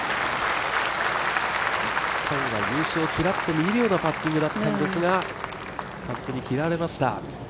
優勝がちらっと見えるようなパッティングだったんですけどカップに嫌われました。